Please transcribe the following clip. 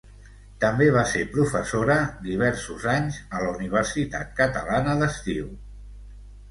També va ser professora diversos anys a la Universitat Catalana d'Estiu.